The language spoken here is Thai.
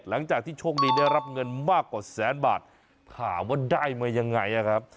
หลังจากที่โชคดีได้รับเงินมากกว่าแสนบาทถามว่าได้มายังไงครับ